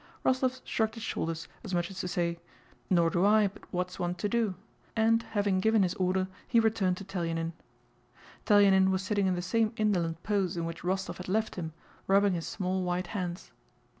Rostóv shrugged his shoulders as much as to say: "Nor do I, but what's one to do?" and, having given his order, he returned to Telyánin. Telyánin was sitting in the same indolent pose in which Rostóv had left him, rubbing his small white hands.